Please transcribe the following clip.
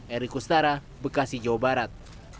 eri kustara bekasi jawa barat